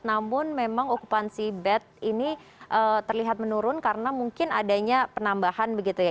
namun memang okupansi bed ini terlihat menurun karena mungkin adanya penambahan begitu ya